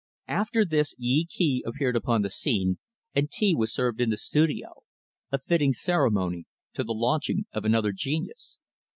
After this, Yee Kee appeared upon the scene, and tea was served in the studio a fitting ceremony to the launching of another genius.